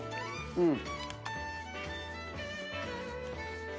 うん。